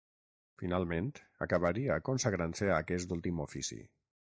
Finalment acabaria consagrant-se a aquest últim ofici.